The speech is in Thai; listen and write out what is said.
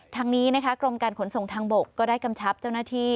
ทางนี้นะคะกรมการขนส่งทางบกก็ได้กำชับเจ้าหน้าที่